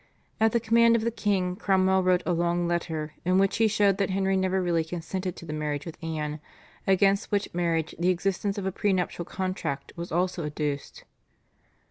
At the command of the king Cromwell wrote a long letter, in which he showed that Henry never really consented to the marriage with Anne, against which marriage the existence of a pre nuptial contract was also adduced.